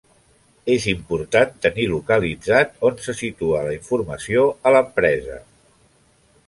És important tenir localitzat on se situa la informació en l'empresa.